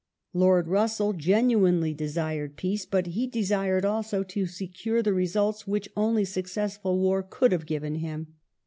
Lord Russell genuinely desired peace, but he desired also to secure the results which only successful war could have given him.